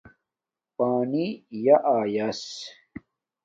پانی ݵی آیس